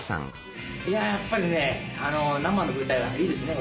いややっぱりね生の舞台はいいですね。